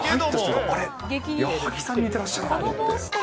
あれっ、矢作さんに似てらっしゃるなと思って。